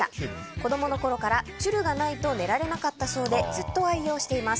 子供のころから、ちゅるがないと寝られなかったそうでずっと愛用しています。